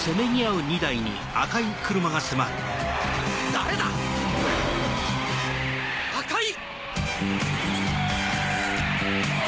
誰だ⁉赤井！